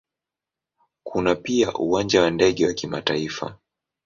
Kuna pia Uwanja wa ndege wa kimataifa.